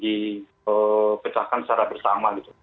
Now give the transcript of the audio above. dipecahkan secara bersama gitu